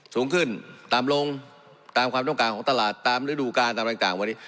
สูงขึ้นตามลงตามความต้องการของตลาดตามฤดูการตามอะไรต่างวันนี้